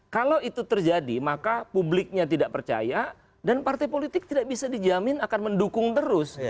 kalau itu terjadi maka publiknya tidak percaya dan partai politik tidak bisa dijamin akan mendukung terus